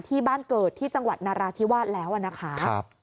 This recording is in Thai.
ที่บ้านเกิดที่จังหวัดนาราธิวาสแล้วนะคะ